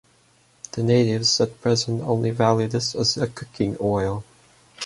The natives at present only value this as a cooking oil.